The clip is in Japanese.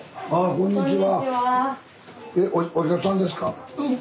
こんにちは。